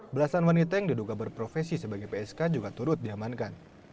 belasan wanita yang diduga berprofesi sebagai psk juga turut diamankan